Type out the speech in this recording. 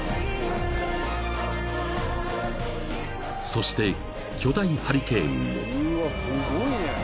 ［そして巨大ハリケーンも］